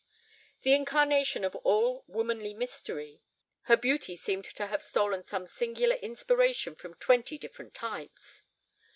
The incarnation of all womanly mystery, her beauty seemed to have stolen some singular inspiration from twenty different types.